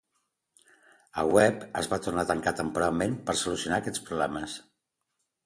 El web es va tornar a tancar temporalment per a solucionar aquests problemes.